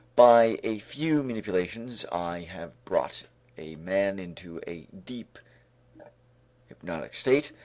By a few manipulations I have brought a man into a deep hypnotic state.